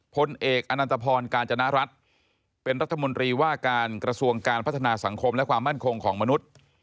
พลเอกอนันตพรกาญจนรัฐเป็นรัฐมนตรีว่าการกระทรวงการพัฒนาสังคมและความมั่นคงของมนุษย์